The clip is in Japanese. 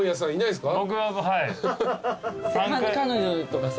彼女とかさ。